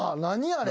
あれ。